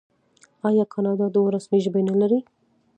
آیا کاناډا دوه رسمي ژبې نلري؟